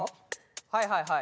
はいはいはい。